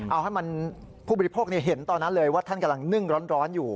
เอาให้มันผู้บริโภคเห็นตอนนั้นเลยว่าท่านกำลังนึ่งร้อนอยู่